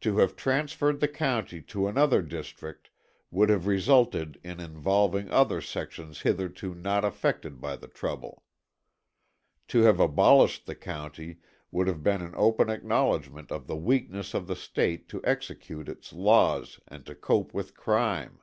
To have transferred the county to another district would have resulted in involving other sections hitherto not affected by the trouble. To have abolished the county would have been an open acknowledgment of the weakness of the State to execute its laws and to cope with crime.